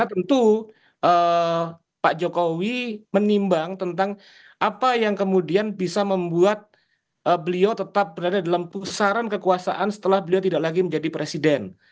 tentu pak jokowi menimbang tentang apa yang kemudian bisa membuat beliau tetap berada dalam pusaran kekuasaan setelah beliau tidak lagi menjadi presiden